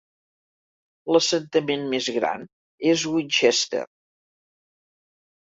L'assentament més gran és Winchester.